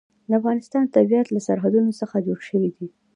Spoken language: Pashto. د افغانستان طبیعت له سرحدونه څخه جوړ شوی دی.